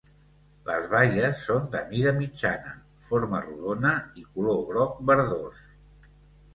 Les baies són de mida mitjana, forma rodona i color groc-verdós.